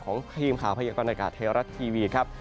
ของพยีมข่าวพยักษ์บรรยากาศเทราะทีวีครับ